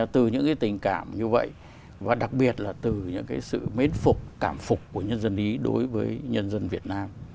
từ những tình cảm như vậy và đặc biệt là từ những sự mến phục cảm phục của nhân dân ý đối với nhân dân việt nam